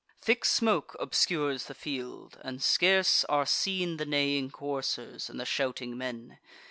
Thick smoke obscures the field; and scarce are seen The neighing coursers, and the shouting men.